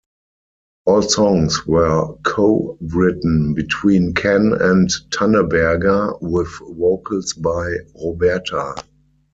All songs were co-written between Ken and Tanneberger, with vocals by Roberta.